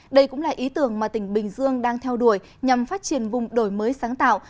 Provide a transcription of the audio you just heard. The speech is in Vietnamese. đây cũng là ý tưởng mà tỉnh bình dương đang theo đuổi nhằm phát triển vùng đổi mới sáng tạo